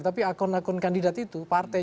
tapi akun akun kandidat itu partai